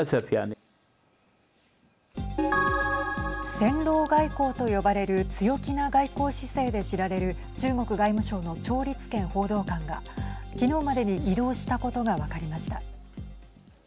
戦狼外交と呼ばれる強気な外交姿勢で知られる中国外務省の趙立堅報道官が昨日までに異動したことが分かりました。